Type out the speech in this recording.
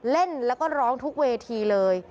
เล่นแล้วก็ร้องทุกเวทีเลย